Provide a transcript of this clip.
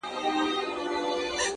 خندا چي په ظاهره ده ژړا ده په وجود کي’